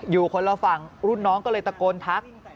อยู่คนละฝั่งรุ่นน้องก็เลยตะโกนทัก